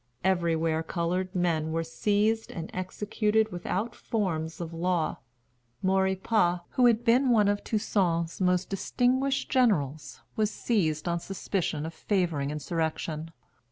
Everywhere colored men were seized and executed without forms of law. Maurepas, who had been one of Toussaint's most distinguished generals, was seized on suspicion of favoring insurrection.